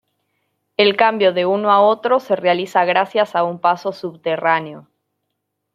El cambio de uno a otro se realiza gracias a un paso subterráneo.